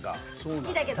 好きだけど。